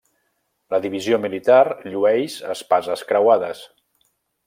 La divisió militar llueix espases creuades.